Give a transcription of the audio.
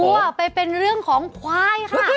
ผ่านจากวัวไปเป็นเรื่องของควายค่ะ